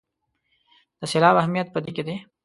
د سېلاب اهمیت په دې کې دی.